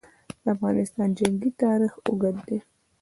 د افغانستان جنګي تاریخ اوږد دی.